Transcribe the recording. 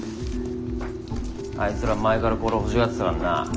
あいつら前からこれ欲しがってたからな。